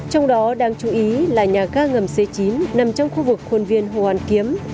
trong đó đáng chú ý là nhà ga ngầm c chín nằm trong khu vực khuôn viên hồ hoàn kiếm